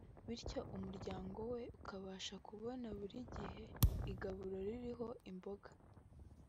bityo umuryango we ukabasha kubona buri gihe igaburo ririho imboga